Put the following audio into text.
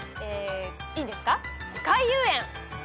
いいですか？